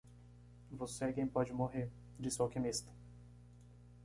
"Você é quem pode morrer?", disse o alquimista.